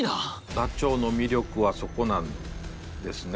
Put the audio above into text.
ダチョウの魅力はそこなんですね。